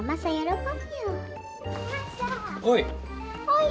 はい。